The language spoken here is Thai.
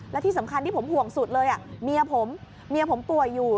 และที่สำคัญที่ผมห่วงสุดเลยเมียผมเมียผมป่วยอยู่